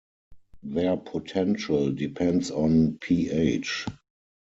Their potential depends on pH.